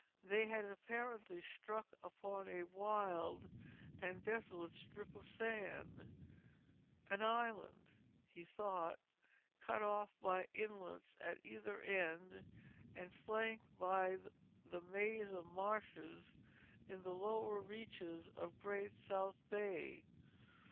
They had apparently struck upon a wild and desolate strip of sand—an island, he thought, cut off by inlets at either end and flanked by the maze of marshes in the lower reaches of Great South Bay.